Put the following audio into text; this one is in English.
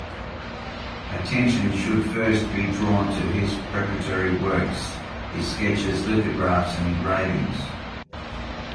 Attention should first be drawn to his preparatory works: his sketches, lithographs, and engravings.